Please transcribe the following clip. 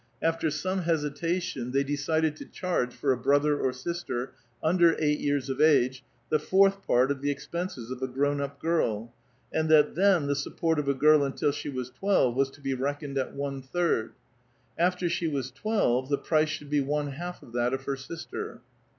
After some hesitation, they decided to charge for a )»rother or sister, under eight years of iige, the fourth part of the expenses of a grown up girl, and that then the support of a girl until she was twelve was to be reckoned at one third ; after she was twelve, the price should be one half of that of her sister.